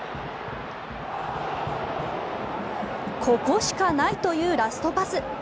ここしかないというラストパス。